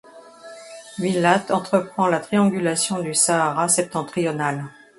Villatte entreprend la triangulation du Sahara septentrional.